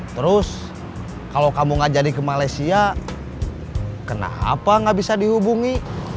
terus kalau kamu gak jadi ke malaysia kenapa gak bisa dihubungi